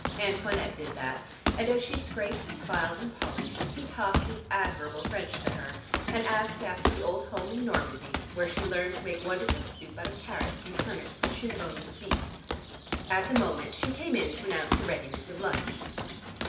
Antoinette did that, and as she scraped and filed and polished, he talked his admirable French to her, and asked after the old home in Normandy, where she learned to make wonderful soup out of carrots and turnips and shin bones of beef. At the moment she came in to announce the readiness of lunch.